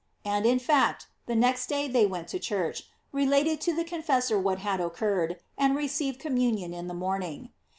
And, in fact, the next day they went to church, related to the confessor what had occurred, and received com munion in the morning.